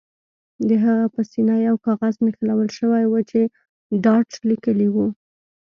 د هغه په سینه یو کاغذ نښلول شوی و چې ډارت لیکلي وو